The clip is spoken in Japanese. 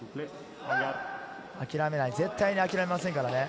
諦めない、絶対に諦めませんからね。